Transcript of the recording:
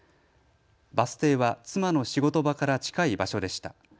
バス停は妻の仕事場から近い場所でした。